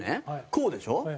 こうでしょ？